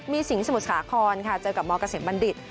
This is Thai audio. มีสิงห์สมุดขาคอนค่ะเจอกับมกระเสมบัณฑิต